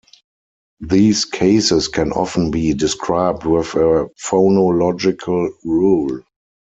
These cases can often be described with a phonological rule.